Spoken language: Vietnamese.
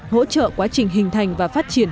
hỗ trợ quá trình hình thành và phát triển